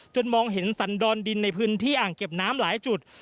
มองเห็นสันดรดินในพื้นที่อ่างเก็บน้ำหลายจุด